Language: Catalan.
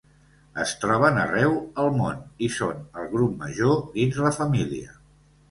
Es troben arreu el món i són el grup major dins la família.